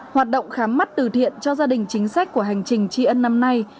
hoạt động khám mắt từ thiện cho gia đình chính sách của hành trình tri ân năm nay